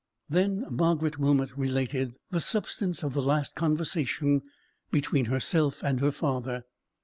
Then Margaret Wilmot related the substance of the last conversation between herself and her father.